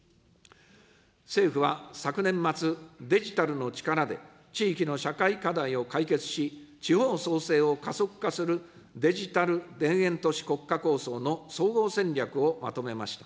政府は昨年末、デジタルの力で地域の社会課題を解決し、地方創生を加速化するデジタル田園都市国家構想の総合戦略をまとめました。